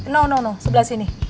no no no sebelah sini